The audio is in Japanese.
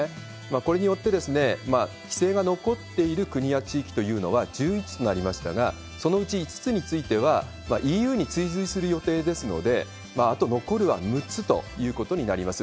これによって、規制が残っている国や地域というのは１１となりましたが、そのうち５つについては、ＥＵに追随する予定ですので、あと残るは６つということになります。